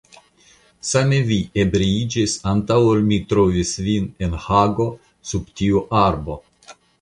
Same vi ebriiĝis antaŭ ol mi trovis vin en Hago sub tiu arbo.